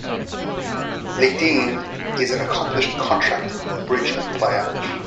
Ledeen is an accomplished contract bridge player.